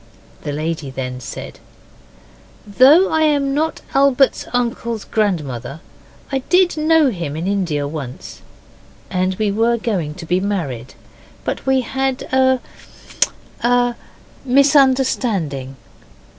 The lady then said, 'Though I am not Albert's uncle's grandmother I did know him in India once, and we were going to be married, but we had a a misunderstanding.